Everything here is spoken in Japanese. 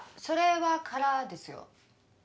それは空ですよ。